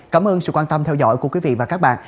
cảm ơn sự quan tâm theo dõi của quý vị và các bạn